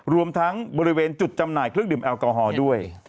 รวมทั้งบริเวณจุดจำหน่ายเครื่องดื่มแอลกอฮอล์ด้วย